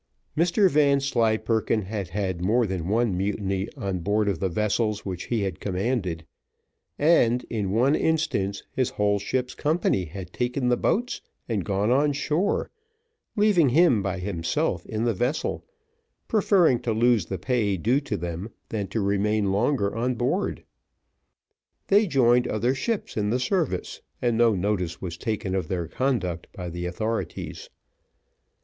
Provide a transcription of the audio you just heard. Mr Vanslyperken had had more than one mutiny on board of the vessels which he had commanded, and, in one instance, his whole ship's company had taken the boats and gone on shore, leaving him by himself in the vessel, preferring to lose the pay due to them, than to remain longer on board. They joined other ships in the service, and no notice was taken of their conduct by the authorities.